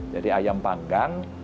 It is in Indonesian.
jadi ayam panggang